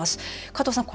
加藤さん